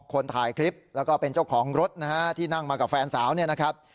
คนถ่ายคลิปแล้วก็เป็นเจ้าของรถนะฮะที่นั่งมากับแฟนสาวเนี่ยนะครับ